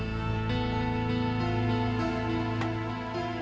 ada apa kang